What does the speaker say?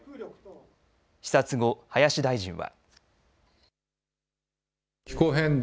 視察後、林大臣は。